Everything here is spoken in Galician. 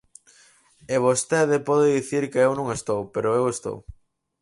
E vostede pode dicir que eu non estou, pero eu estou.